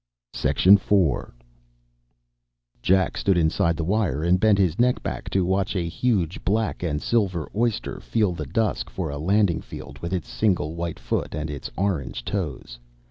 IV Jack stood inside the wire and bent his neck back to watch a huge black and silver oyster feel the dusk for a landing field with its single white foot and its orange toes.